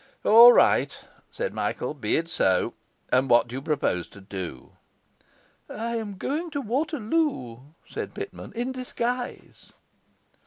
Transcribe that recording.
'All right,' said Michael, 'be it so. And what do you propose to do?' 'I am going to Waterloo,' said Pitman, 'in disguise.